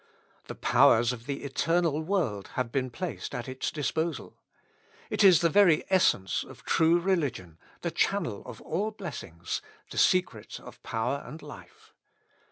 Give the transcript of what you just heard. The powers of the eternal world have been placed at its disposal. It is the very essence of true religion, the channel of all blessings, the secret of power and life.